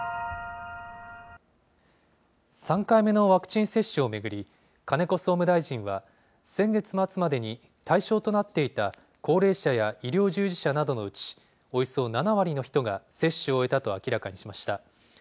３回目のワクチン接種を巡り、金子総務大臣は、先月末までに対象となっていた高齢者や医療従事者などのうち、およそ７割の人が接種を終えたと明らかにしました。